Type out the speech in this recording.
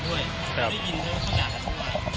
ได้ยินว่าเขาด่ากับช่วงวัน